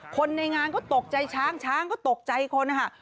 คนในงานก็ตกใจช้างช้างก็ตกใจคนนะคะ